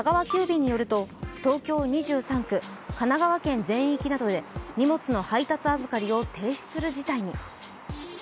急便によると東京２３区、神奈川県全域などで荷物の配達預かりを停止する事態に。